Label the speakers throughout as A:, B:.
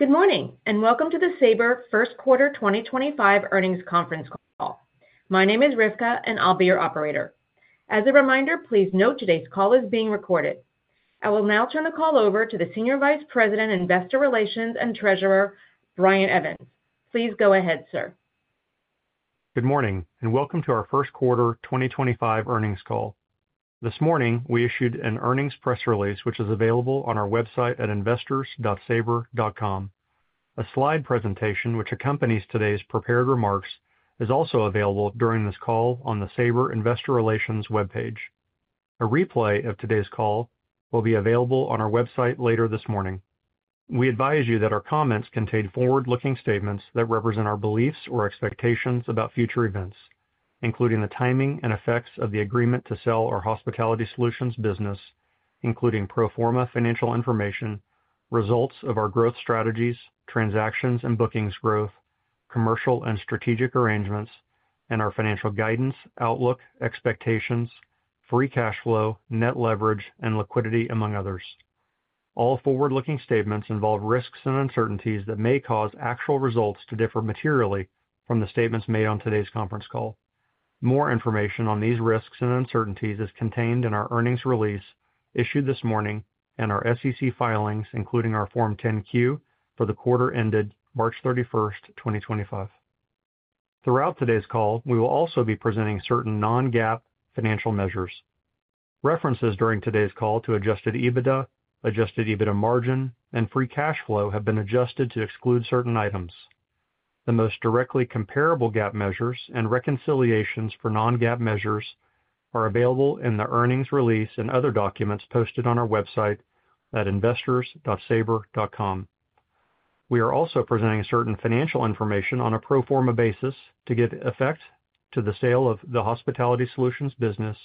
A: Good morning and welcome to the Sabre first quarter 2025 earnings conference call. My name is Rivka, and I'll be your operator. As a reminder, please note today's call is being recorded. I will now turn the call over to the Senior Vice President, Investor Relations and Treasurer, Brian Evans. Please go ahead, sir.
B: Good morning and welcome to our first quarter 2025 earnings call. This morning, we issued an earnings press release, which is available on our website at investors.sabre.com. A slide presentation, which accompanies today's prepared remarks, is also available during this call on the Sabre Investor Relations webpage. A replay of today's call will be available on our website later this morning. We advise you that our comments contain forward-looking statements that represent our beliefs or expectations about future events, including the timing and effects of the agreement to sell our Hospitality Solutions business, including pro forma financial information, results of our growth strategies, transactions and bookings growth, commercial and strategic arrangements, and our financial guidance, outlook, expectations, free cash flow, net leverage, and liquidity, among others. All forward-looking statements involve risks and uncertainties that may cause actual results to differ materially from the statements made on today's conference call. More information on these risks and uncertainties is contained in our earnings release issued this morning and our SEC filings, including our Form 10-Q for the quarter ended March 31st, 2025. Throughout today's call, we will also be presenting certain non-GAAP financial measures. References during today's call to adjusted EBITDA, adjusted EBITDA margin, and free cash flow have been adjusted to exclude certain items. The most directly comparable GAAP measures and reconciliations for non-GAAP measures are available in the earnings release and other documents posted on our website at investors.sabre.com. We are also presenting certain financial information on a pro forma basis to give effect to the sale of the Hospitality Solutions business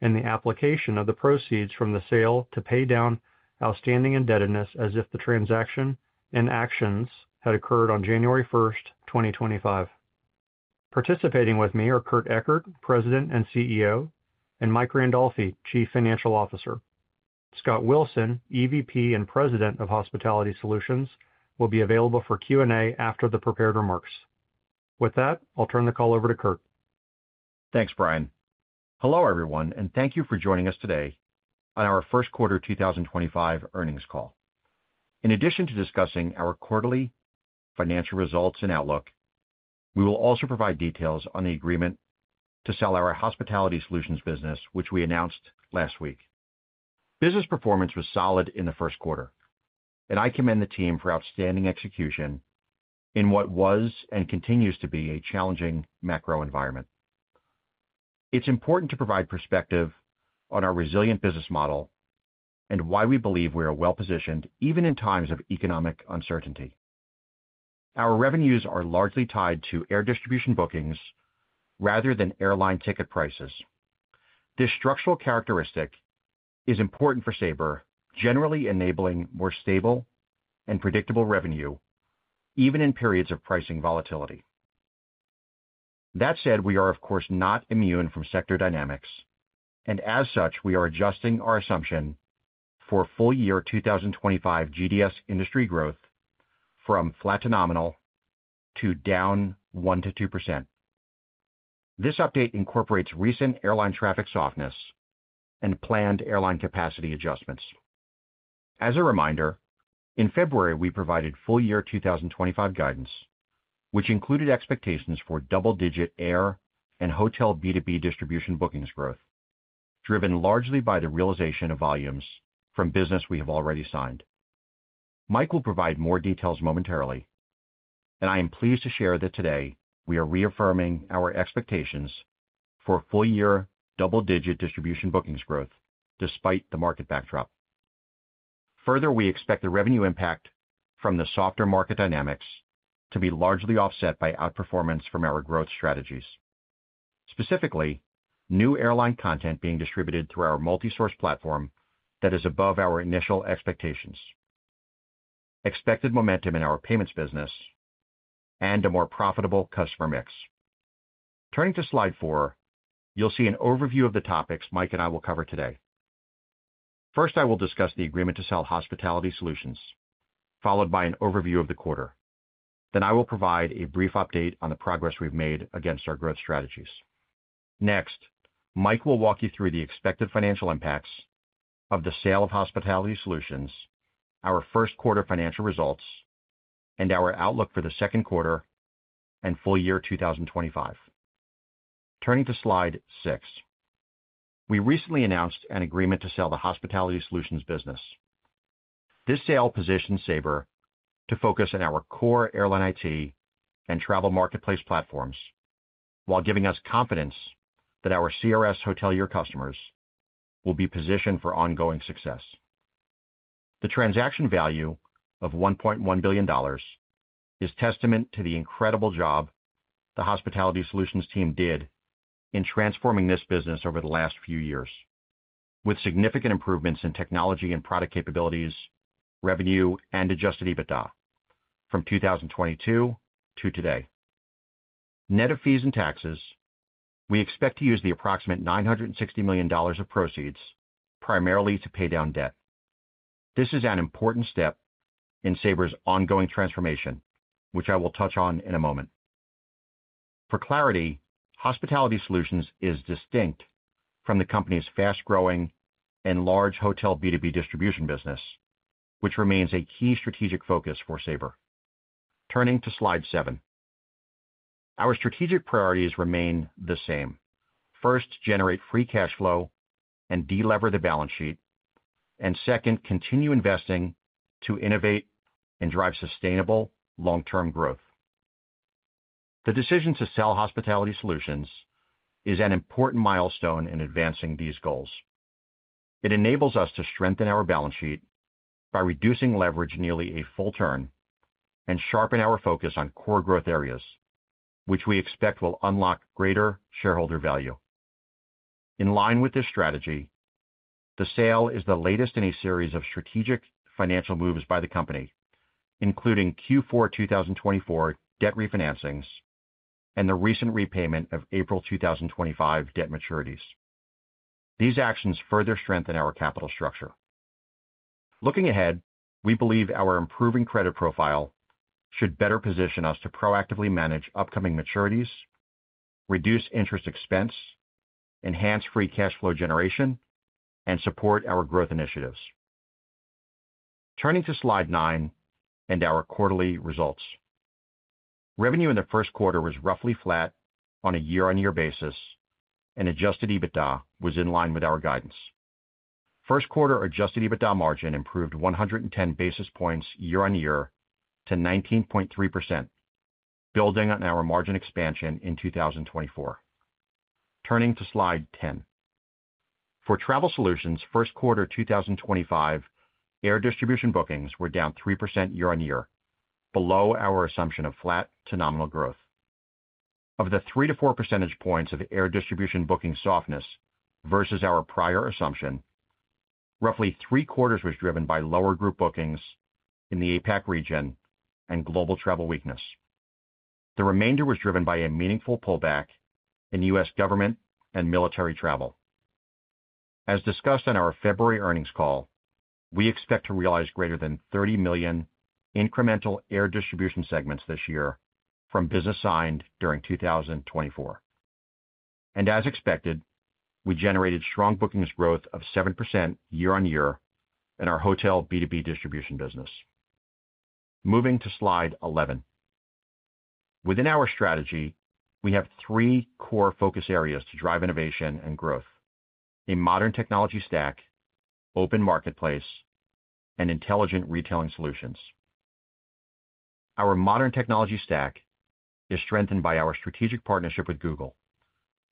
B: and the application of the proceeds from the sale to pay down outstanding indebtedness as if the transaction and actions had occurred on January 1st2025. Participating with me are Kurt Ekert, President and CEO, and Mike Randolfi, Chief Financial Officer. Scott Wilson, EVP and President of Hospitality Solutions, will be available for Q&A after the prepared remarks. With that, I'll turn the call over to Kurt.
C: Thanks, Brian. Hello everyone, and thank you for joining us today on our first quarter 2025 earnings call. In addition to discussing our quarterly financial results and outlook, we will also provide details on the agreement to sell our Hospitality Solutions business, which we announced last week. Business performance was solid in the first quarter, and I commend the team for outstanding execution in what was and continues to be a challenging macro environment. It's important to provide perspective on our resilient business model and why we believe we are well positioned even in times of economic uncertainty. Our revenues are largely tied to air distribution bookings rather than airline ticket prices. This structural characteristic is important for Sabre, generally enabling more stable and predictable revenue even in periods of pricing volatility. That said, we are, of course, not immune from sector dynamics, and as such, we are adjusting our assumption for full year 2025 GDS industry growth from flat to nominal to down 1%-2%. This update incorporates recent airline traffic softness and planned airline capacity adjustments. As a reminder, in February, we provided full year 2025 guidance, which included expectations for double-digit air and hotel B2B distribution bookings growth, driven largely by the realization of volumes from business we have already signed. Mike will provide more details momentarily, and I am pleased to share that today we are reaffirming our expectations for full year double-digit distribution bookings growth despite the market backdrop. Further, we expect the revenue impact from the softer market dynamics to be largely offset by outperformance from our growth strategies, specifically new airline content being distributed through our multi-source platform that is above our initial expectations, expected momentum in our payments business, and a more profitable customer mix. Turning to slide four, you'll see an overview of the topics Mike and I will cover today. First, I will discuss the agreement to sell Hospitality Solutions, followed by an overview of the quarter. Then I will provide a brief update on the progress we've made against our growth strategies. Next, Mike will walk you through the expected financial impacts of the sale of Hospitality Solutions, our first quarter financial results, and our outlook for the second quarter and full year 2025. Turning to slide six, we recently announced an agreement to sell the Hospitality Solutions business. This sale positions Sabre to focus on our core airline IT and travel marketplace platforms while giving us confidence that our CRS hotelier customers will be positioned for ongoing success. The transaction value of $1.1 billion is testament to the incredible job the Hospitality Solutions team did in transforming this business over the last few years, with significant improvements in technology and product capabilities, revenue, and adjusted EBITDA from 2022 to today. Net of fees and taxes, we expect to use the approximate $960 million of proceeds primarily to pay down debt. This is an important step in Sabre's ongoing transformation, which I will touch on in a moment. For clarity, Hospitality Solutions is distinct from the company's fast-growing and large hotel B2B distribution business, which remains a key strategic focus for Sabre. Turning to slide seven, our strategic priorities remain the same. First, generate free cash flow and delever the balance sheet, and second, continue investing to innovate and drive sustainable long-term growth. The decision to sell Hospitality Solutions is an important milestone in advancing these goals. It enables us to strengthen our balance sheet by reducing leverage nearly a full turn and sharpen our focus on core growth areas, which we expect will unlock greater shareholder value. In line with this strategy, the sale is the latest in a series of strategic financial moves by the company, including Q4 2024 debt refinancings and the recent repayment of April 2025 debt maturities. These actions further strengthen our capital structure. Looking ahead, we believe our improving credit profile should better position us to proactively manage upcoming maturities, reduce interest expense, enhance free cash flow generation, and support our growth initiatives. Turning to slide nine and our quarterly results, revenue in the first quarter was roughly flat on a year-on-year basis, and adjusted EBITDA was in line with our guidance. First quarter adjusted EBITDA margin improved 110 basis points year-on-year to 19.3%, building on our margin expansion in 2024. Turning to slide 10, for travel solutions, first quarter 2025 air distribution bookings were down 3% year-on-year, below our assumption of flat to nominal growth. Of the 3%-4% points of air distribution booking softness versus our prior assumption, roughly three-quarters was driven by lower group bookings in the APAC region and global travel weakness. The remainder was driven by a meaningful pullback in U.S. government and military travel. As discussed on our February earnings call, we expect to realize greater than 30 million incremental air distribution segments this year from business signed during 2024. As expected, we generated stronqg bookings growth of 7% year-on-year in our hotel B2B distribution business. Moving to slide 11, within our strategy, we have three core focus areas to drive innovation and growth: a modern technology stack, open marketplace, and intelligent retailing solutions. Our modern technology stack is strengthened by our strategic partnership with Google,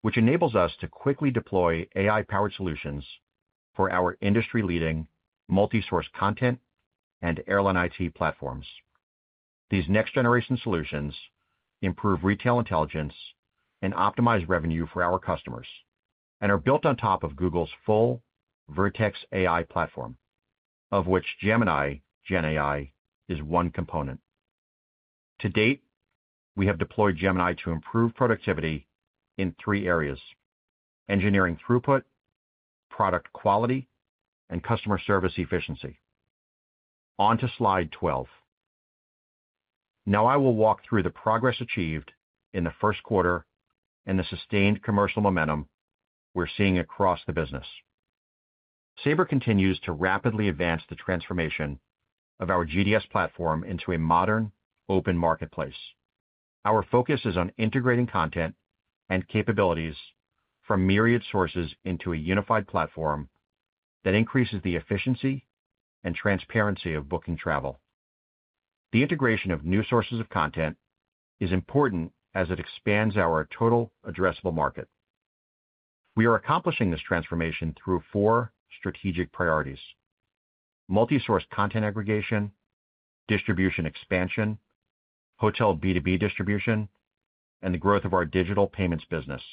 C: which enables us to quickly deploy AI-powered solutions for our industry-leading multi-source content and airline IT platforms. These next-generation solutions improve retail intelligence and optimize revenue for our customers and are built on top of Google's full Vertex AI Platform, of which Gemini Gen AI is one component. To date, we have deployed Gemini to improve productivity in three areas: engineering throughput, product quality, and customer service efficiency. On to slide 12. Now I will walk through the progress achieved in the first quarter and the sustained commercial momentum we're seeing across the business. Sabre continues to rapidly advance the transformation of our GDS platform into a modern open marketplace. Our focus is on integrating content and capabilities from myriad sources into a unified platform that increases the efficiency and transparency of booking travel. The integration of new sources of content is important as it expands our total addressable market. We are accomplishing this transformation through four strategic priorities: multi-source content aggregation, distribution expansion, hotel B2B distribution, and the growth of our digital payments business.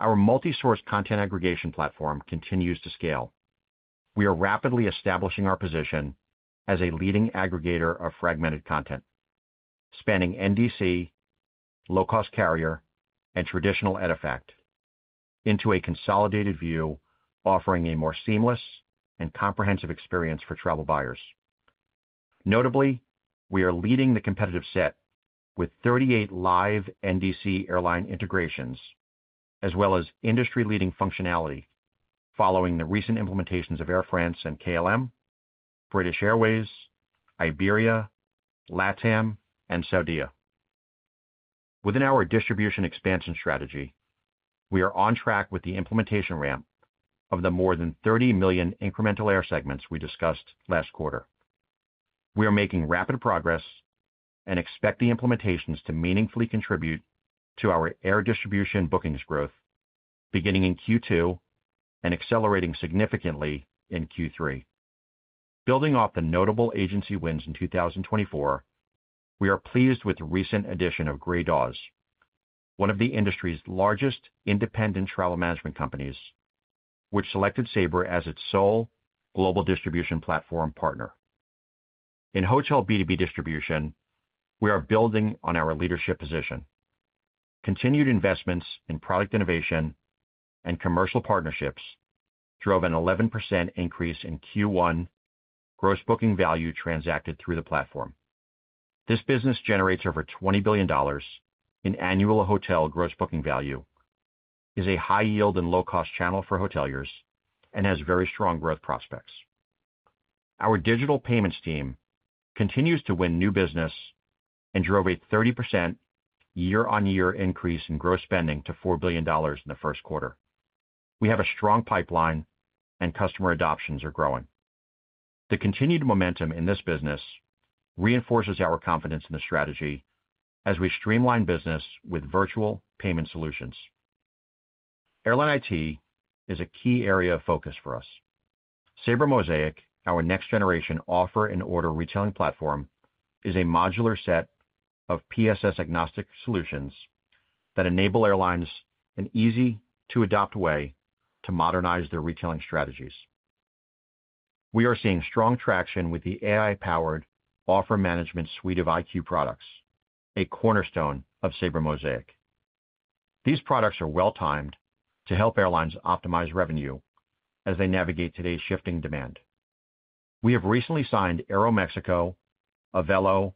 C: Our multi-source content aggregation platform continues to scale. We are rapidly establishing our position as a leading aggregator of fragmented content, spanning NDC, low-cost carrier, and traditional EDIFACT, into a consolidated view offering a more seamless and comprehensive experience for travel buyers. Notably, we are leading the competitive set with 38 live NDC airline integrations, as well as industry-leading functionality following the recent implementations of Air France and KLM, British Airways, Iberia, LATAM, and Saudia. Within our distribution expansion strategy, we are on track with the implementation ramp of the more than 30 million incremental air segments we discussed last quarter. We are making rapid progress and expect the implementations to meaningfully contribute to our air distribution bookings growth, beginning in Q2 and accelerating significantly in Q3. Building off the notable agency wins in 2024, we are pleased with the recent addition of Gray Dawes, one of the industry's largest independent travel management companies, which selected Sabre as its sole global distribution platform partner. In hotel B2B distribution, we are building on our leadership position. Continued investments in product innovation and commercial partnerships drove an 11% increase in Q1 gross booking value transacted through the platform. This business generates over $20 billion in annual hotel gross booking value, is a high-yield and low-cost channel for hoteliers, and has very strong growth prospects. Our digital payments team continues to win new business and drove a 30% year-on-year increase in gross spending to $4 billion in the first quarter. We have a strong pipeline, and customer adoptions are growing. The continued momentum in this business reinforces our confidence in the strategy as we streamline business with virtual payment solutions. Airline IT is a key area of focus for us. SabreMosaic, our next-generation offer and order retailing platform, is a modular set of PSS-agnostic solutions that enable airlines an easy-to-adopt way to modernize their retailing strategies. We are seeing strong traction with the AI-powered offer management suite of IQ products, a cornerstone of SabreMosaic. These products are well-timed to help airlines optimize revenue as they navigate today's shifting demand. We have recently signed Aeromexico, Avelo,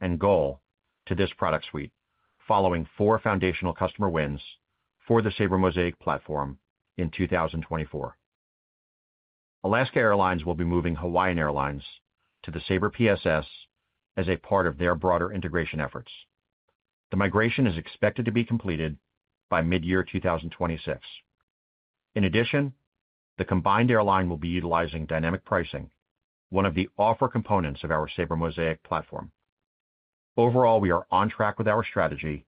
C: and Gol to this product suite, following four foundational customer wins for the SabreMosaic platform in 2024. Alaska Airlines will be moving Hawaiian Airlines to the Sabre PSS as a part of their broader integration efforts. The migration is expected to be completed by mid-year 2026. In addition, the combined airline will be utilizing dynamic pricing, one of the offer components of our SabreMosaic platform. Overall, we are on track with our strategy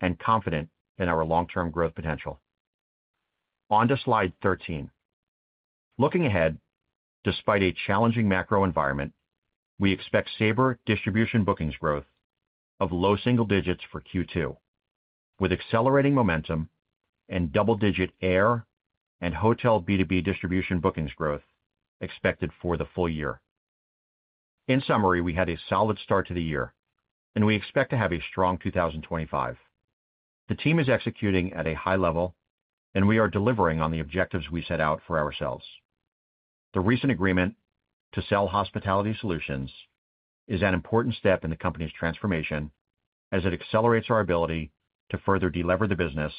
C: and confident in our long-term growth potential. On to slide 13. Looking ahead, despite a challenging macro environment, we expect Sabre distribution bookings growth of low single digits for Q2, with accelerating momentum and double-digit air and hotel B2B distribution bookings growth expected for the full year. In summary, we had a solid start to the year, and we expect to have a strong 2025. The team is executing at a high level, and we are delivering on the objectives we set out for ourselves. The recent agreement to sell Hospitality Solutions is an important step in the company's transformation as it accelerates our ability to further deliver the business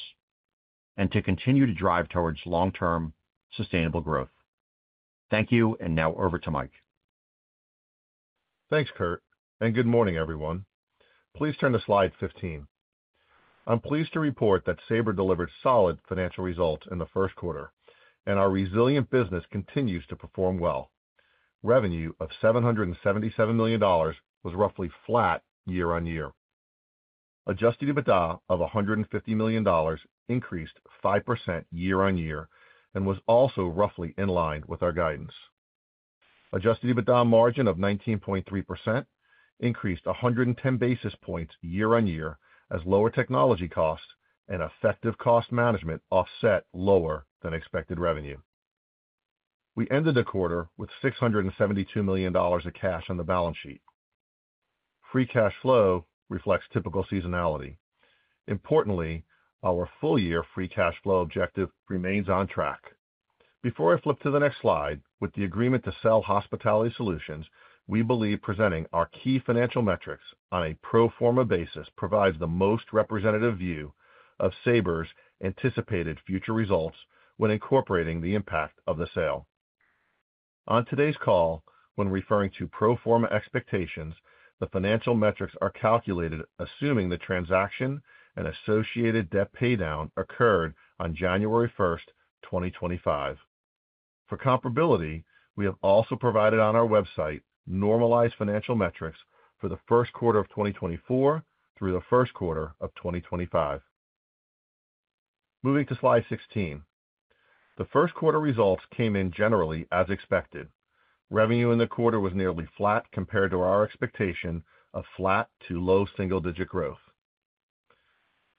C: and to continue to drive towards long-term sustainable growth. Thank you, and now over to Mike.
D: Thanks, Kurt, and good morning, everyone. Please turn to slide 15. I'm pleased to report that Sabre delivered solid financial results in the first quarter, and our resilient business continues to perform well. Revenue of $777 million was roughly flat year-on-year. Adjusted EBITDA of $150 million increased 5% year-on-year and was also roughly in line with our guidance. Adjusted EBITDA margin of 19.3% increased 110 basis points year-on-year as lower technology costs and effective cost management offset lower than expected revenue. We ended the quarter with $672 million of cash on the balance sheet. Free cash flow reflects typical seasonality. Importantly, our full-year free cash flow objective remains on track. Before I flip to the next slide, with the agreement to sell Hospitality Solutions, we believe presenting our key financial metrics on a pro forma basis provides the most representative view of Sabre's anticipated future results when incorporating the impact of the sale. On today's call, when referring to pro forma expectations, the financial metrics are calculated assuming the transaction and associated debt paydown occurred on January 1st, 2025. For comparability, we have also provided on our website normalized financial metrics for the first quarter of 2024 through the first quarter of 2025. Moving to slide 16. The first quarter results came in generally as expected. Revenue in the quarter was nearly flat compared to our expectation of flat to low single-digit growth.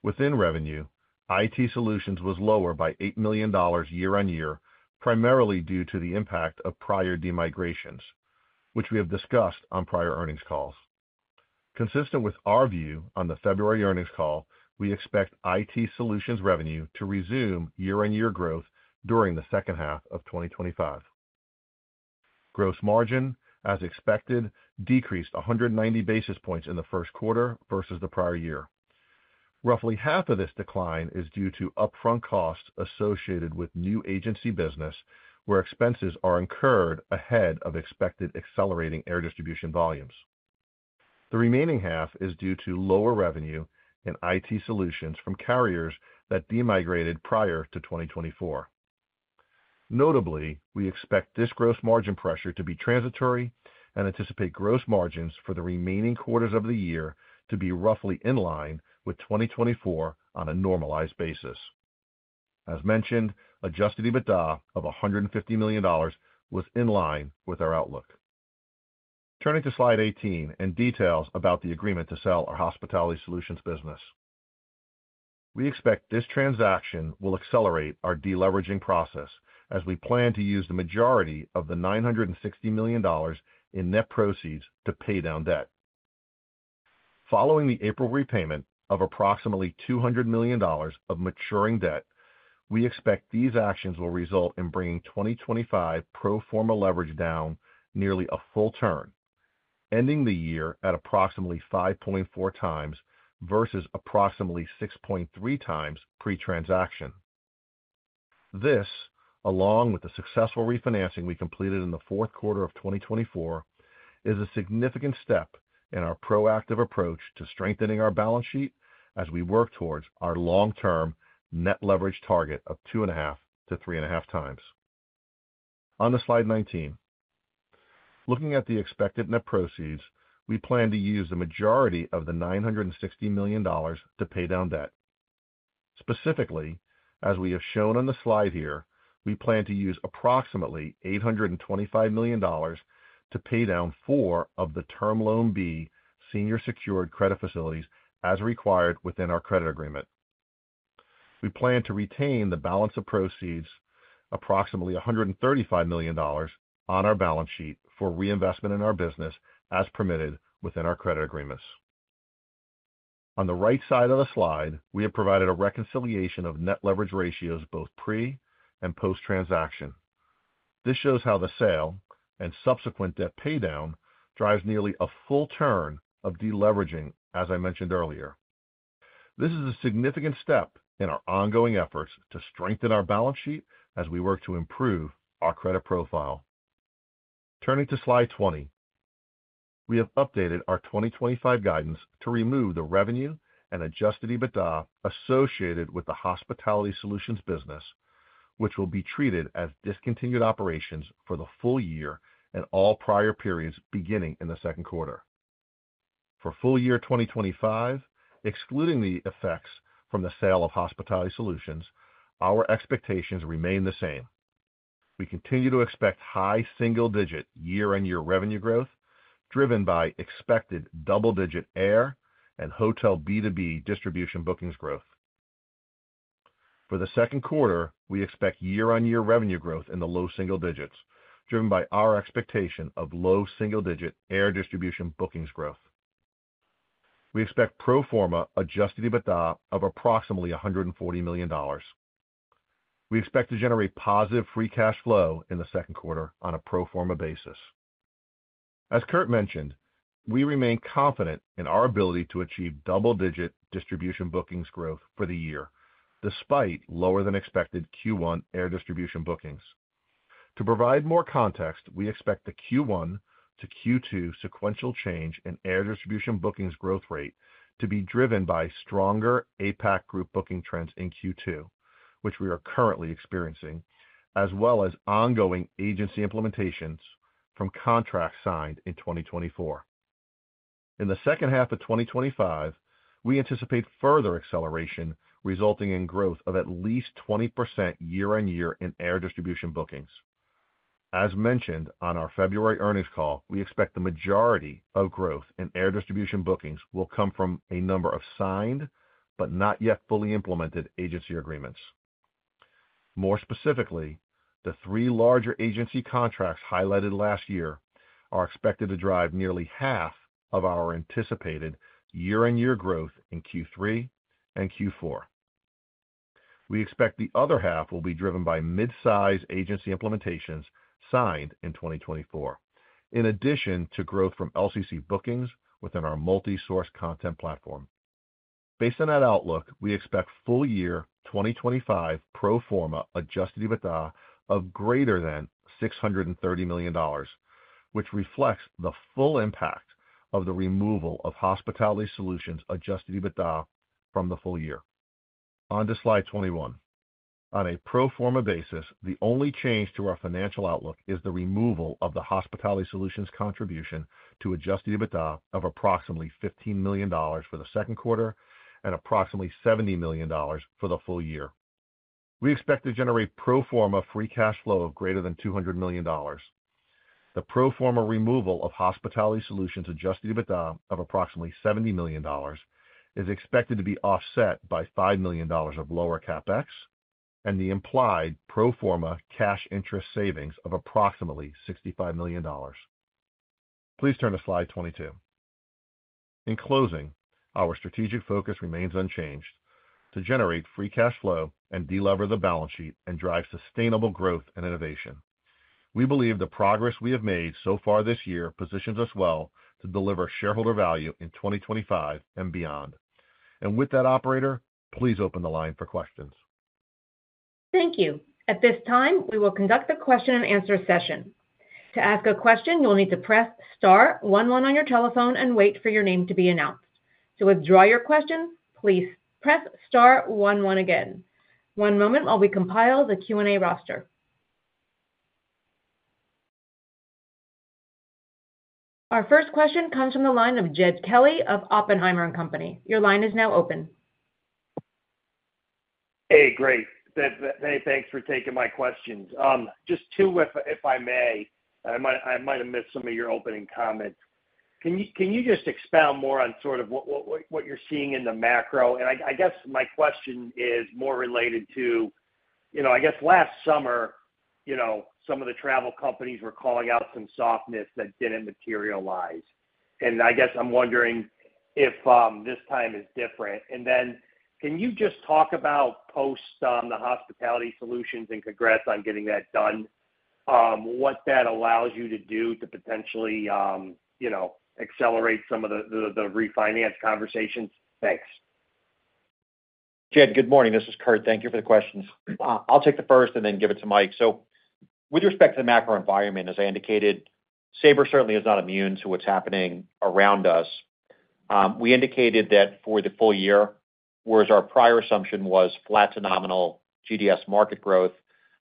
D: Within revenue, IT solutions was lower by $8 million year-on-year, primarily due to the impact of prior demigrations, which we have discussed on prior earnings calls. Consistent with our view on the February earnings call, we expect IT solutions revenue to resume year-on-year growth during the second half of 2025. Gross margin, as expected, decreased 190 basis points in the first quarter versus the prior year. Roughly half of this decline is due to upfront costs associated with new agency business, where expenses are incurred ahead of expected accelerating air distribution volumes. The remaining half is due to lower revenue in IT solutions from carriers that demigrated prior to 2024. Notably, we expect this gross margin pressure to be transitory and anticipate gross margins for the remaining quarters of the year to be roughly in line with 2024 on a normalized basis. As mentioned, adjusted EBITDA of $150 million was in line with our outlook. Turning to slide 18 and details about the agreement to sell our Hospitality Solutions business. We expect this transaction will accelerate our deleveraging process as we plan to use the majority of the $960 million in net proceeds to pay down debt. Following the April repayment of approximately $200 million of maturing debt, we expect these actions will result in bringing 2025 pro forma leverage down nearly a full turn, ending the year at approximately 5.4x versus approximately 6.3x pre-transaction. This, along with the successful refinancing we completed in the fourth quarter of 2024, is a significant step in our proactive approach to strengthening our balance sheet as we work towards our long-term net leverage target of 2.5x-3.5x. On to slide 19. Looking at the expected net proceeds, we plan to use the majority of the $960 million to pay down debt. Specifically, as we have shown on the slide here, we plan to use approximately $825 million to pay down four of the Term Loan B senior secured credit facilities as required within our credit agreement. We plan to retain the balance of proceeds, approximately $135 million, on our balance sheet for reinvestment in our business as permitted within our credit agreements. On the right side of the slide, we have provided a reconciliation of net leverage ratios both pre and post-transaction. This shows how the sale and subsequent debt paydown drives nearly a full turn of deleveraging, as I mentioned earlier. This is a significant step in our ongoing efforts to strengthen our balance sheet as we work to improve our credit profile. Turning to slide 20. We have updated our 2025 guidance to remove the revenue and adjusted EBITDA associated with the Hospitality Solutions business, which will be treated as discontinued operations for the full year and all prior periods beginning in the second quarter. For full year 2025, excluding the effects from the sale of Hospitality Solutions, our expectations remain the same. We continue to expect high single-digit year-on-year revenue growth driven by expected double-digit air and hotel B2B distribution bookings growth. For the second quarter, we expect year-on-year revenue growth in the low single digits driven by our expectation of low single-digit air distribution bookings growth. We expect pro forma adjusted EBITDA of approximately $140 million. We expect to generate positive free cash flow in the second quarter on a pro forma basis. As Kurt mentioned, we remain confident in our ability to achieve double-digit distribution bookings growth for the year, despite lower than expected Q1 air distribution bookings. To provide more context, we expect the Q1-Q2 sequential change in air distribution bookings growth rate to be driven by stronger APAC group booking trends in Q2, which we are currently experiencing, as well as ongoing agency implementations from contracts signed in 2024. In the second half of 2025, we anticipate further acceleration resulting in growth of at least 20% year-on-year in air distribution bookings. As mentioned on our February earnings call, we expect the majority of growth in air distribution bookings will come from a number of signed but not yet fully implemented agency agreements. More specifically, the three larger agency contracts highlighted last year are expected to drive nearly half of our anticipated year-on-year growth in Q3 and Q4. We expect the other half will be driven by mid-size agency implementations signed in 2024, in addition to growth from LCC bookings within our multi-source content platform. Based on that outlook, we expect full year 2025 pro forma adjusted EBITDA of greater than $630 million, which reflects the full impact of the removal of Hospitality Solutions adjusted EBITDA from the full year. On to slide 21. On a pro forma basis, the only change to our financial outlook is the removal of the Hospitality Solutions contribution to adjusted EBITDA of approximately $15 million for the second quarter and approximately $70 million for the full year. We expect to generate pro forma free cash flow of greater than $200 million. The pro forma removal of Hospitality Solutions adjusted EBITDA of approximately $70 million is expected to be offset by $5 million of lower CapEx and the implied pro forma cash interest savings of approximately $65 million. Please turn to slide 22. In closing, our strategic focus remains unchanged to generate free cash flow and deleverage the balance sheet and drive sustainable growth and innovation. We believe the progress we have made so far this year positions us well to deliver shareholder value in 2025 and beyond. With that, operator, please open the line for questions.
A: Thank you. At this time, we will conduct the question-and-answer session. To ask a question, you'll need to press star one one on your telephone and wait for your name to be announced. To withdraw your question, please press star one one again. One moment while we compile the Q&A roster. Our first question comes from the line of Jed Kelly of Oppenheimer & Company. Your line is now open.
E: Hey, great. Many thanks for taking my questions. Just two, if I may. I might have missed some of your opening comments. Can you just expound more on sort of what you're seeing in the macro? And I guess my question is more related to, I guess, last summer, some of the travel companies were calling out some softness that didn't materialize. I guess I'm wondering if this time is different. Can you just talk about post on the Hospitality Solutions and congrats on getting that done, what that allows you to do to potentially accelerate some of the refinance conversations? Thanks.
C: Jed, good morning. This is Kurt. Thank you for the questions. I'll take the first and then give it to Mike. With respect to the macro environment, as I indicated, Sabre certainly is not immune to what's happening around us. We indicated that for the full year, whereas our prior assumption was flat to nominal GDS market growth,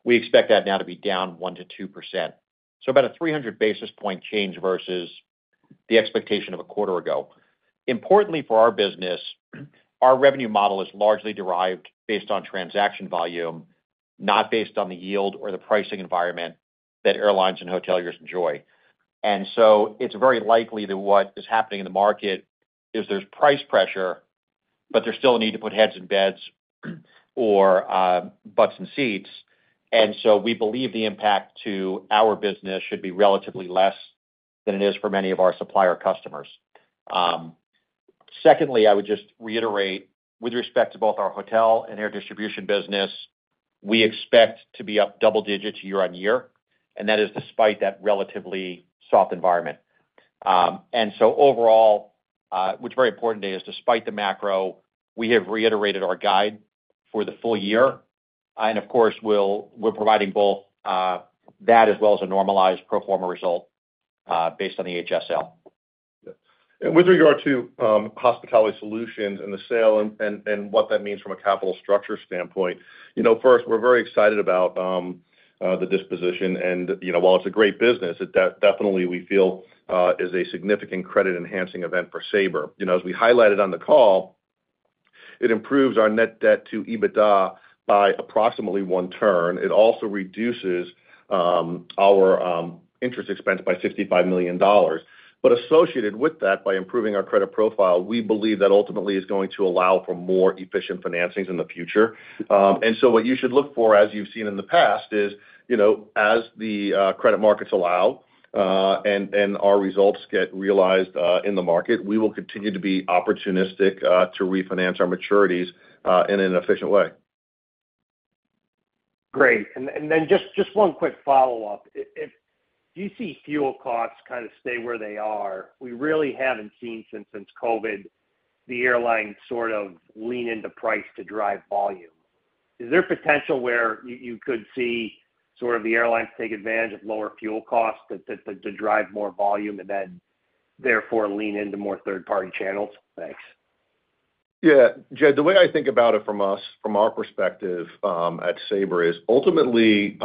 C: we expect that now to be down 1%-2%. About a 300 basis point change versus the expectation of a quarter ago. Importantly, for our business, our revenue model is largely derived based on transaction volume, not based on the yield or the pricing environment that airlines and hoteliers enjoy. It is very likely that what is happening in the market is there's price pressure, but there's still a need to put heads in beds or butts in seats. We believe the impact to our business should be relatively less than it is for many of our supplier customers. Secondly, I would just reiterate, with respect to both our hotel and air distribution business, we expect to be up double digits year-on-year, and that is despite that relatively soft environment. Overall, what's very important is despite the macro, we have reiterated our guide for the full year. Of course, we're providing both that as well as a normalized pro forma result based on the HSL.
D: With regard to Hospitality Solutions and the sale and what that means from a capital structure standpoint, first, we're very excited about the disposition. While it's a great business, definitely we feel is a significant credit-enhancing event for Sabre. As we highlighted on the call, it improves our net debt to EBITDA by approximately one turn. It also reduces our interest expense by $65 million. Associated with that, by improving our credit profile, we believe that ultimately is going to allow for more efficient financings in the future. What you should look for, as you've seen in the past, is as the credit markets allow and our results get realized in the market, we will continue to be opportunistic to refinance our maturities in an efficient way.
E: Great. Just one quick follow-up. Do you see fuel costs kind of stay where they are? We really haven't seen since COVID the airlines sort of lean into price to drive volume. Is there potential where you could see sort of the airlines take advantage of lower fuel costs to drive more volume and then therefore lean into more third-party channels? Thanks.
D: Yeah. Jed, the way I think about it from our perspective at Sabre is ultimately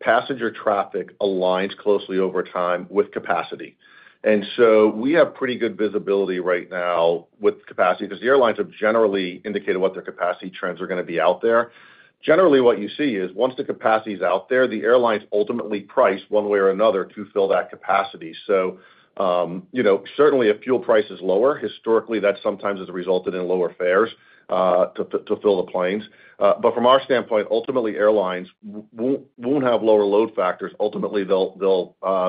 D: passenger traffic aligns closely over time with capacity. And so we have pretty good visibility right now with capacity because the airlines have generally indicated what their capacity trends are going to be out there. Generally, what you see is once the capacity is out there, the airlines ultimately price one way or another to fill that capacity. Certainly, if fuel price is lower, historically, that sometimes has resulted in lower fares to fill the planes. From our standpoint, ultimately, airlines won't have lower load factors. Ultimately, they'll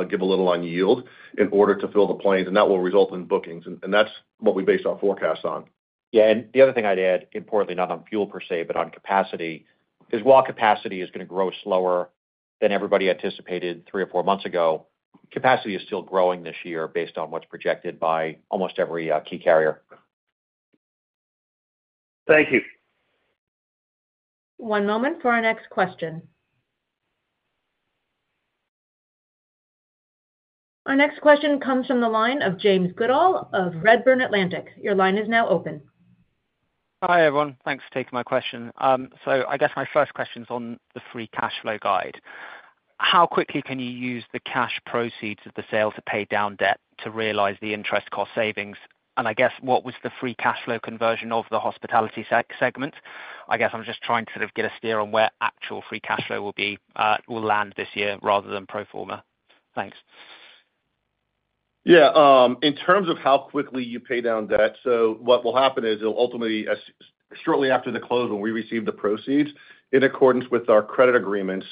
D: give a little on yield in order to fill the planes, and that will result in bookings. That is what we base our forecasts on.
C: Yeah. The other thing I'd add, importantly, not on fuel per se, but on capacity, is while capacity is going to grow slower than everybody anticipated three or four months ago, capacity is still growing this year based on what is projected by almost every key carrier.
E: Thank you.
A: One moment for our next question. Our next question comes from the line of James Goodall of Redburn Atlantic. Your line is now open.
F: Hi, everyone. Thanks for taking my question. I guess my first question is on the free cash flow guide. How quickly can you use the cash proceeds of the sale to pay down debt to realize the interest cost savings? I guess what was the free cash flow conversion of the hospitality segment? I guess I'm just trying to sort of get a steer on where actual free cash flow will land this year rather than pro forma. Thanks.
D: Yeah. In terms of how quickly you pay down debt, what will happen is it'll ultimately, shortly after the close, when we receive the proceeds, in accordance with our credit agreements,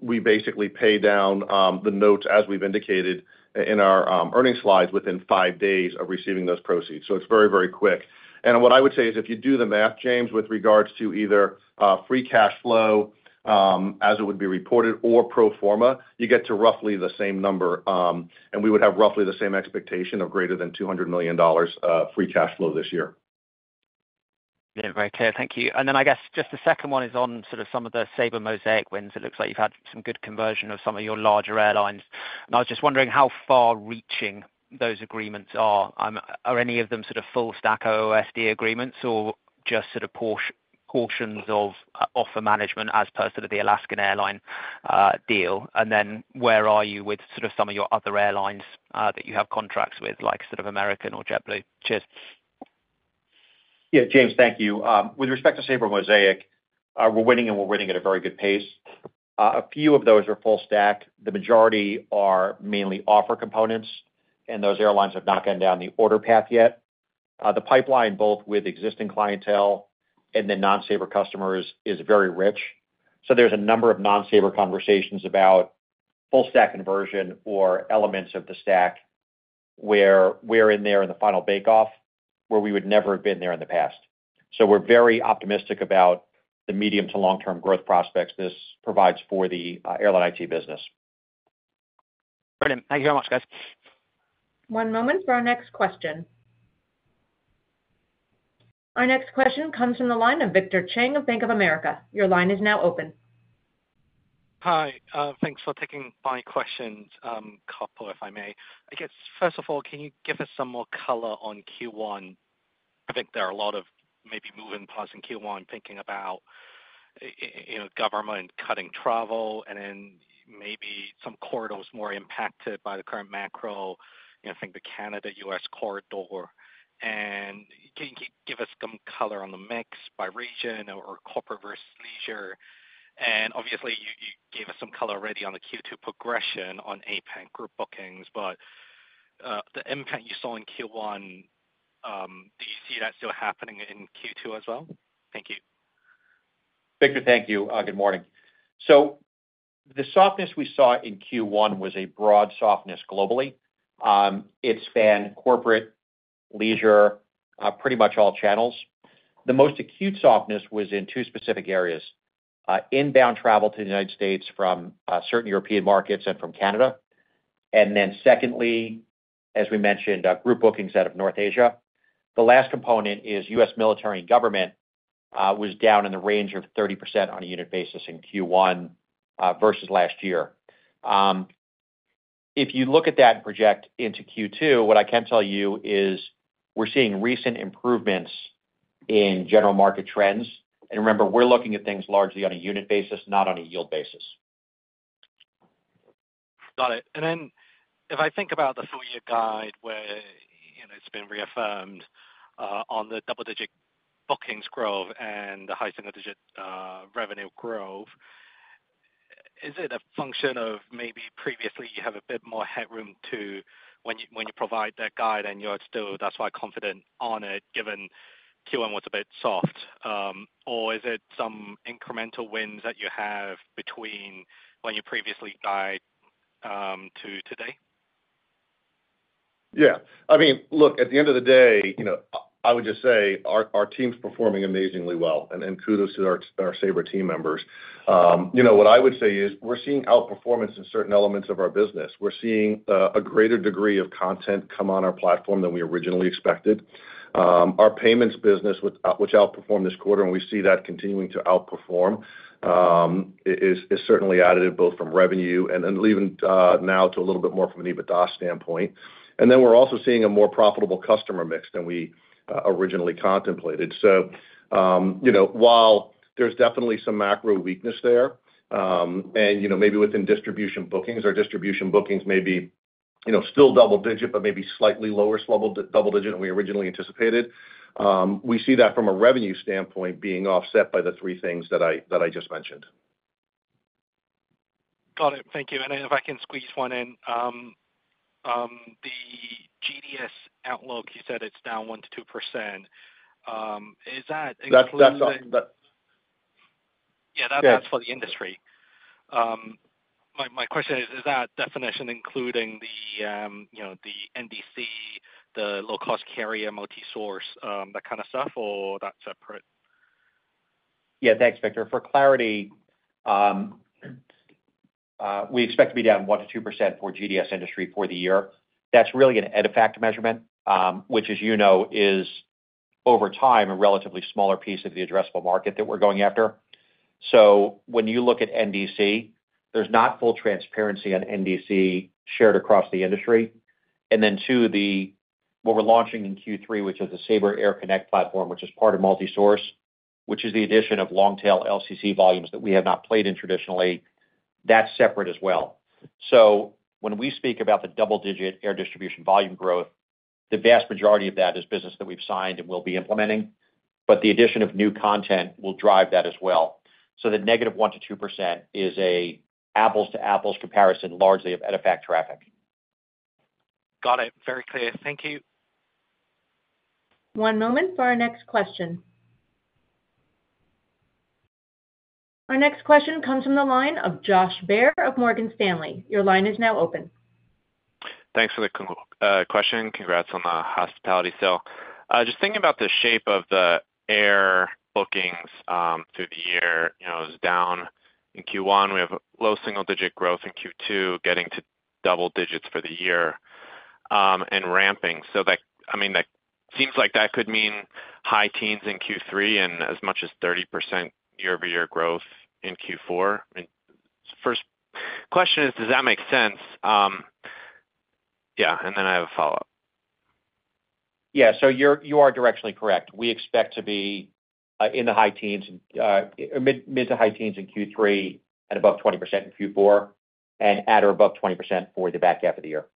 D: we basically pay down the notes, as we've indicated in our earnings slides, within five days of receiving those proceeds. It's very, very quick. What I would say is if you do the math, James, with regards to either free cash flow as it would be reported or pro forma, you get to roughly the same number, and we would have roughly the same expectation of greater than $200 million free cash flow this year.
F: Yeah. Very clear. Thank you. I guess just the second one is on sort of some of the SabreMosaic wins. It looks like you've had some good conversion of some of your larger airlines. I was just wondering how far-reaching those agreements are. Are any of them sort of full-stack OSD agreements or just sort of portions of offer management as per sort of the Alaska Airlines deal? Where are you with sort of some of your other airlines that you have contracts with, like sort of American or JetBlue? Cheers.
C: Yeah. James, thank you. With respect to Sabre Mosaic, we're winning, and we're winning at a very good pace. A few of those are full-stack. The majority are mainly offer components, and those airlines have not gone down the order path yet. The pipeline, both with existing clientele and then non-Sabre customers, is very rich. So there's a number of non-Sabre conversations about full-stack conversion or elements of the stack where we're in there in the final bake-off, where we would never have been there in the past. So we're very optimistic about the medium to long-term growth prospects this provides for the airline IT business. Brilliant.
F: Thank you very much, guys.
A: One moment for our next question. Our next question comes from the line of Victor Cheng of Bank of America. Your line is now open.
G: Hi. Thanks for taking my questions, couple, if I may. I guess, first of all, can you give us some more color on Q1? I think there are a lot of maybe moving parts in Q1, thinking about government cutting travel and then maybe some corridors more impacted by the current macro. I think the Canada-U.S. corridor. Can you give us some color on the mix by region or corporate versus leisure? Obviously, you gave us some color already on the Q2 progression on APAC group bookings, but the impact you saw in Q1, do you see that still happening in Q2 as well? Thank you.
C: Victor, thank you. Good morning. The softness we saw in Q1 was a broad softness globally. It spanned corporate, leisure, pretty much all channels. The most acute softness was in two specific areas: inbound travel to the United States from certain European markets and from Canada. Secondly, as we mentioned, group bookings out of North Asia. The last component is U.S. military and government was down in the range of 30% on a unit basis in Q1 versus last year. If you look at that and project into Q2, what I can tell you is we're seeing recent improvements in general market trends. Remember, we're looking at things largely on a unit basis, not on a yield basis.
G: Got it. If I think about the full year guide where it's been reaffirmed on the double-digit bookings growth and the high single-digit revenue growth, is it a function of maybe previously you have a bit more headroom to when you provide that guide and you're still, that's why confident on it, given Q1 was a bit soft? Or is it some incremental wins that you have between when you previously guide to today?
D: Yeah. I mean, look, at the end of the day, I would just say our team's performing amazingly well, and kudos to our Sabre team members. What I would say is we're seeing outperformance in certain elements of our business. We're seeing a greater degree of content come on our platform than we originally expected. Our payments business, which outperformed this quarter, and we see that continuing to outperform, is certainly additive both from revenue and even now to a little bit more from an EBITDA standpoint. Then we're also seeing a more profitable customer mix than we originally contemplated. While there's definitely some macro weakness there and maybe within distribution bookings, our distribution bookings may be still double-digit, but maybe slightly lower double-digit than we originally anticipated, we see that from a revenue standpoint being offset by the three things that I just mentioned.
G: Got it. Thank you. If I can squeeze one in, the GDS outlook, you said it's down 1%-2%. Is that exclusive?
D: That's all. Yeah.
G: That's for the industry. My question is, is that definition including the NDC, the low-cost carrier, multi-source, that kind of stuff, or that's separate?
C: Yeah. Thanks, Victor. For clarity, we expect to be down 1%-2% for GDS industry for the year. That's really an EDIFACT measurement, which, as you know, is over time a relatively smaller piece of the addressable market that we're going after. When you look at NDC, there's not full transparency on NDC shared across the industry. To the what we're launching in Q3, which is the Sabre Air Connect platform, which is part of multi-source, which is the addition of long-tail LCC volumes that we have not played in traditionally, that's separate as well. When we speak about the double-digit air distribution volume growth, the vast majority of that is business that we've signed and will be implementing. But the addition of new content will drive that as well. The negative 1%-2% is an apples-to-apples comparison largely of EDIFACT traffic.
G: Got it. Very clear. Thank you.
A: One moment for our next question. Our next question comes from the line of Josh Baer of Morgan Stanley. Your line is now open.
H: Thanks for the question. Congrats on the hospitality sale. Just thinking about the shape of the air bookings through the year, it was down in Q1. We have low single-digit growth in Q2, getting to double digits for the year, and ramping. I mean, that seems like that could mean high teens in Q3 and as much as 30% year-over-year growth in Q4. First question is, does that make sense? Yeah. And then I have a follow-up.
C: Yeah. You are directionally correct. We expect to be in the high teens, mid to high teens in Q3 and above 20% in Q4 and at or above 20% for the back half of the year.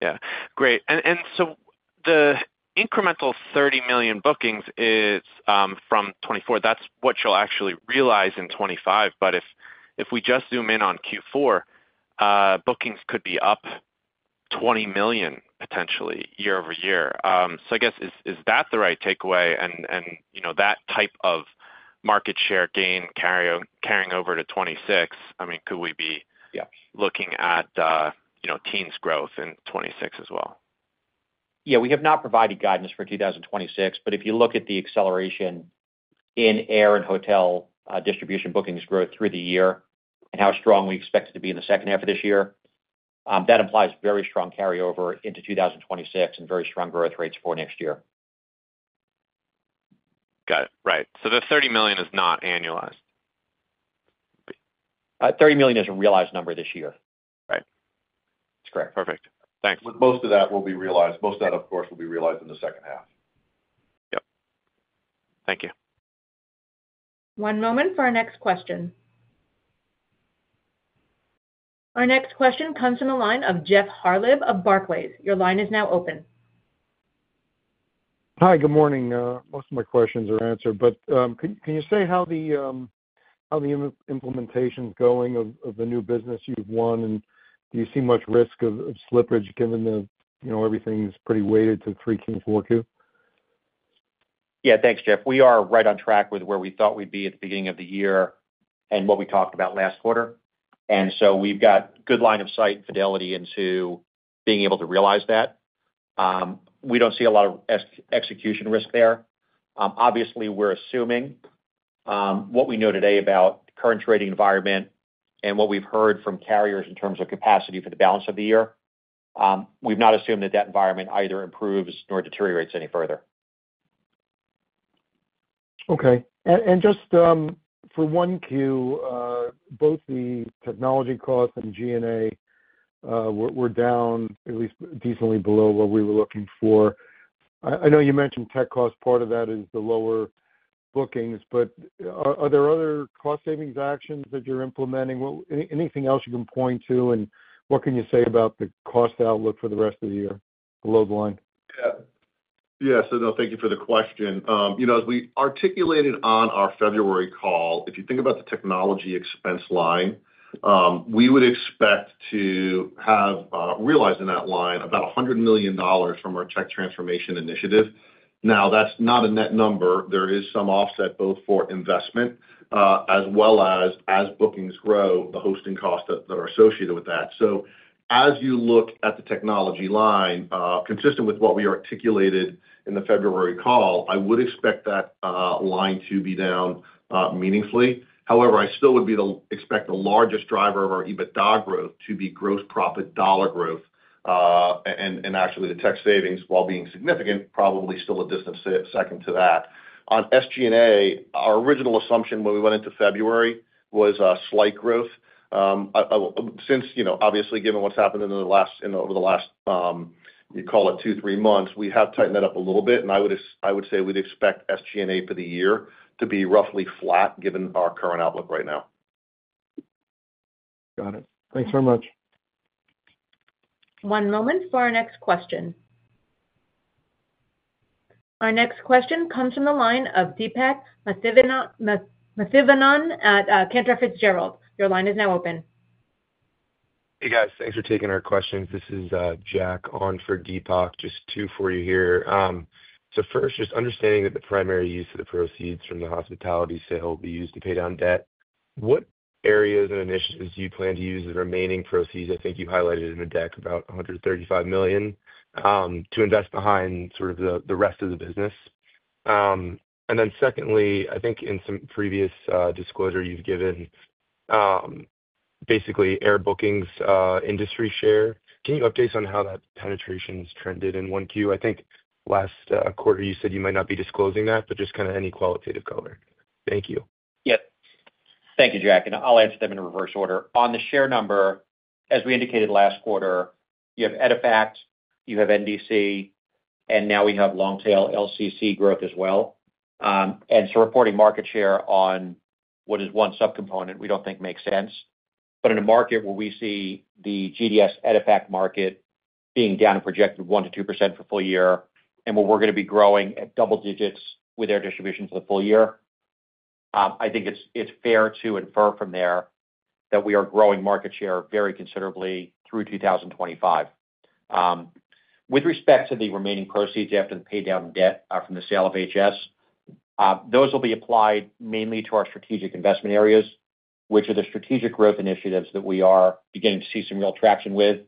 H: Yeah. Great. And so the incremental 30 million bookings is from 2024. That's what you'll actually realize in 2025. But if we just zoom in on Q4, bookings could be up 20 million potentially year-over-year. So I guess, is that the right takeaway? And that type of market share gain carrying over to 2026, I mean, could we be looking at teens growth in 2026 as well?
C: Yeah. We have not provided guidance for 2026, but if you look at the acceleration in air and hotel distribution bookings growth through the year and how strong we expect it to be in the second half of this year, that implies very strong carryover into 2026 and very strong growth rates for next year.
H: Got it. Right. So the $30 million is not annualized? $30 million is a realized number this year. Right.
D: That's correct. Perfect.
H: Thanks. Most of that will be realized. Most of that, of course, will be realized in the second half.
D: Yep.
H: Thank you.
A: One moment for our next question. Our next question comes from the line of Jeff Harlib of Barclays. Your line is now open.
I: Hi. Good morning. Most of my questions are answered, but can you say how the implementation's going of the new business you've won, and do you see much risk of slippage given that everything's pretty weighted to 3Q and 4Q?
C: Yeah. Thanks, Jeff. We are right on track with where we thought we'd be at the beginning of the year and what we talked about last quarter. We've got good line of sight and fidelity into being able to realize that. We don't see a lot of execution risk there. Obviously, we're assuming what we know today about the current trading environment and what we've heard from carriers in terms of capacity for the balance of the year, we've not assumed that that environment either improves nor deteriorates any further.
I: Okay. Just for 1Q, both the technology cost and G&A were down at least decently below what we were looking for. I know you mentioned tech cost. Part of that is the lower bookings, but are there other cost-savings actions that you're implementing? Anything else you can point to, and what can you say about the cost outlook for the rest of the year below the line?
D: Yeah. Yeah. No, thank you for the question. As we articulated on our February call, if you think about the technology expense line, we would expect to have realized in that line about $100 million from our tech transformation initiative. Now, that's not a net number. There is some offset both for investment as well as, as bookings grow, the hosting costs that are associated with that. As you look at the technology line, consistent with what we articulated in the February call, I would expect that line to be down meaningfully. However, I still would be able to expect the largest driver of our EBITDA growth to be gross profit dollar growth and actually the tech savings, while being significant, probably still a distant second to that. On SG&A, our original assumption when we went into February was slight growth. Since obviously, given what's happened over the last, you call it two, three months, we have tightened that up a little bit, and I would say we'd expect SG&A for the year to be roughly flat given our current outlook right now.
I: Got it. Thanks very much.
A: One moment for our next question. Our next question comes from the line of Deepak Mathivanan at Cantor Fitzgerald. Your line is now open.
J: Hey, guys. Thanks for taking our questions. This is Jack on for Deepak. Just two for you here. First, just understanding that the primary use of the proceeds from the Hospitality Solutions sale will be used to pay down debt. What areas and initiatives do you plan to use the remaining proceeds? I think you highlighted in the deck about $135 million to invest behind sort of the rest of the business. And then secondly, I think in some previous disclosure you've given basically air bookings industry share. Can you update us on how that penetration's trended in 1Q? I think last quarter you said you might not be disclosing that, but just kind of any qualitative color. Thank you.
C: Yep. Thank you, Jack. And I'll answer them in reverse order. On the share number, as we indicated last quarter, you have EDIFACT, you have NDC, and now we have long-tail LCC growth as well. Reporting market share on what is one subcomponent we do not think makes sense. In a market where we see the GDS EDIFACT market being down in projected 1%-2% for full year and where we are going to be growing at double digits with air distribution for the full year, I think it is fair to infer from there that we are growing market share very considerably through 2025. With respect to the remaining proceeds after the pay down debt from the sale of HS, those will be applied mainly to our strategic investment areas, which are the strategic growth initiatives that we are beginning to see some real traction with,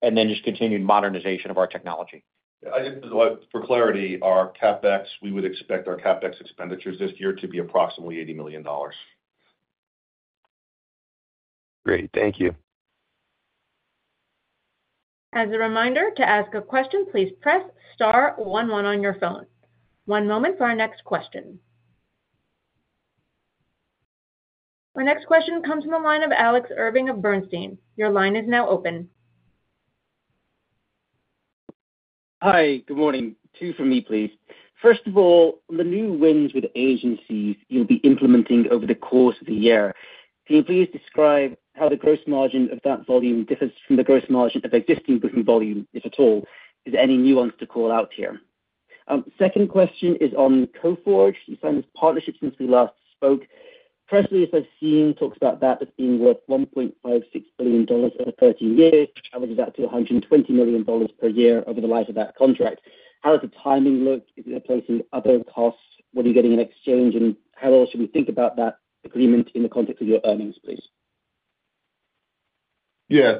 C: and then just continued modernization of our technology.
D: For clarity, our CapEx, we would expect our CapEx expenditures this year to be approximately $80 million.
J: Great. Thank you.
A: As a reminder, to ask a question, please press star one one on your phone. One moment for our next question. Our next question comes from the line of Alex Irving of Bernstein. Your line is now open.
K: Hi. Good morning. Two from me, please. First of all, the new wins with agencies you'll be implementing over the course of the year, can you please describe how the gross margin of that volume differs from the gross margin of existing booking volume, if at all? Is there any nuance to call out here? Second question is on Coforge. You signed this partnership since we last spoke. Press release I've seen talks about that as being worth $1.56 billion over 13 years, which averages out to $120 million per year over the life of that contract. How does the timing look? Is it replacing other costs? What are you getting in exchange? How else should we think about that agreement in the context of your earnings, please?
D: Yeah.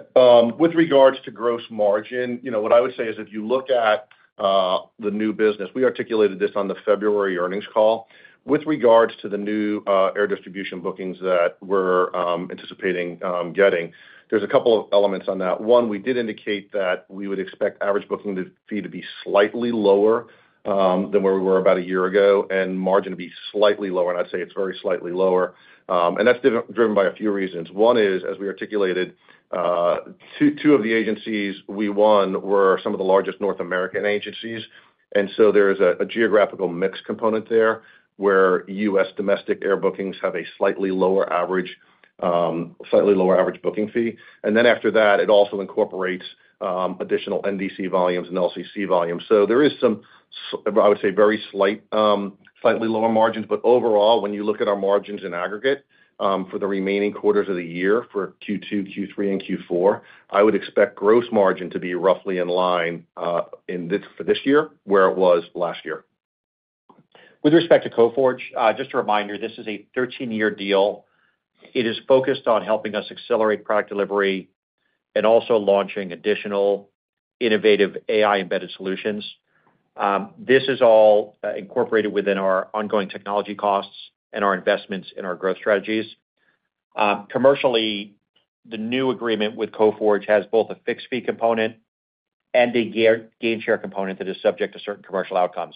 D: With regards to gross margin, what I would say is if you look at the new business, we articulated this on the February earnings call. With regards to the new air distribution bookings that we're anticipating getting, there's a couple of elements on that. One, we did indicate that we would expect average booking fee to be slightly lower than where we were about a year ago and margin to be slightly lower. I'd say it's very slightly lower. That's driven by a few reasons. One is, as we articulated, two of the agencies we won were some of the largest North American agencies. There is a geographical mix component there where U.S. domestic air bookings have a slightly lower average booking fee. After that, it also incorporates additional NDC volumes and LCC volumes. There is some, I would say, very slight, slightly lower margins. Overall, when you look at our margins in aggregate for the remaining quarters of the year for Q2, Q3, and Q4, I would expect gross margin to be roughly in line for this year where it was last year.
C: With respect to Coforge, just a reminder, this is a 13-year deal. It is focused on helping us accelerate product delivery and also launching additional innovative AI-embedded solutions. This is all incorporated within our ongoing technology costs and our investments in our growth strategies. Commercially, the new agreement with Coforge has both a fixed fee component and a gain share component that is subject to certain commercial outcomes.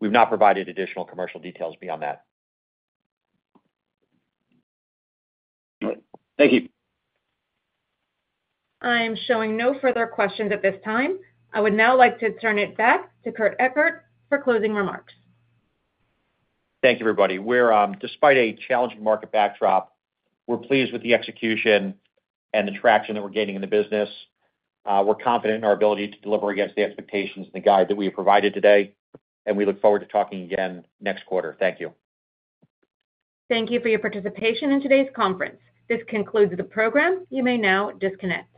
C: We've not provided additional commercial details beyond that.
K: All right. Thank you.
A: I am showing no further questions at this time. I would now like to turn it back to Kurt Ekert for closing remarks.
C: Thank you, everybody. Despite a challenging market backdrop, we're pleased with the execution and the traction that we're gaining in the business. We're confident in our ability to deliver against the expectations and the guide that we have provided today. We look forward to talking again next quarter. Thank you.
A: Thank you for your participation in today's conference. This concludes the program. You may now disconnect.